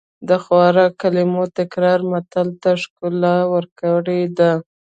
د خوار کلمې تکرار متل ته ښکلا ورکړې ده